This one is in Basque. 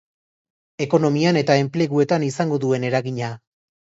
Ekonomian eta enpleguetan izango duen eragina.